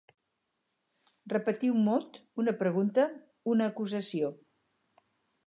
Repetir un mot, una pregunta, una acusació.